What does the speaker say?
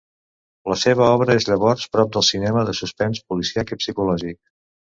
La seva obra és llavors prop del cinema de suspens policíac i psicològic.